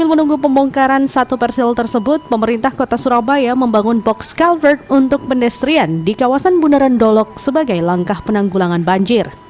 sambil menunggu pembongkaran satu persil tersebut pemerintah kota surabaya membangun box culvert untuk pendestrian di kawasan bundaran dolok sebagai langkah penanggulangan banjir